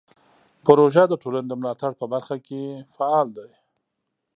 پروژه د ټولنې د ملاتړ په برخه کې فعال دی.